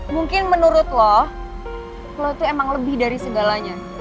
mungkin menurut lo lo itu emang lebih dari segalanya